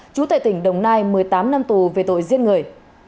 chú tại tỉnh đồng nai một mươi tám năm tù về tội giết người